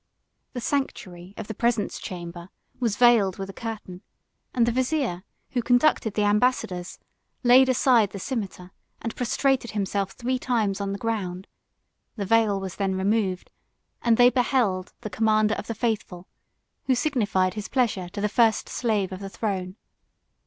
The sanctuary of the presence chamber was veiled with a curtain; and the vizier, who conducted the ambassadors, laid aside the cimeter, and prostrated himself three times on the ground; the veil was then removed; and they beheld the commander of the faithful, who signified his pleasure to the first slave of the throne.